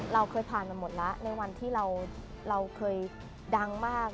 เราเคยผ่านมาหมดแล้วในวันที่เราเคยดังมาก